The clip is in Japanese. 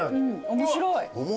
面白い。